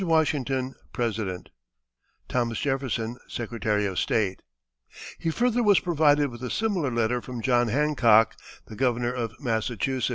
WASHINGTON, President. "THOMAS JEFFERSON, "Secy of State." He further was provided with a similar letter from John Hancock, the Governor of Massachusetts.